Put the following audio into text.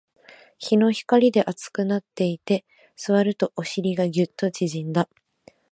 日の光で熱くなっていて、座るとお尻がギュッと縮んだ